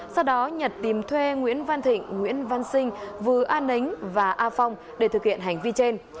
sau đó nhật tìm thuê nguyễn văn thịnh nguyễn văn sinh vừa an nấnh và a phong để thực hiện hành vi trên